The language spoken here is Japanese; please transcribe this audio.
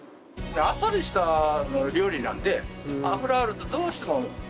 あっさりした料理なんで油があるとどうしてもギトギトになる。